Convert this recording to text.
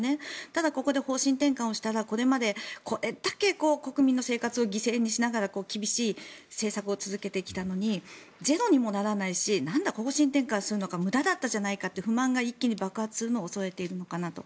ただ、ここで方針転換したらこれまでこれだけ国民の生活を犠牲にしながら厳しい政策を続けてきたのにゼロにもならないしなんだ方針転換するのか無駄だったじゃないかって不満が一気に爆発するのを恐れているのかなと。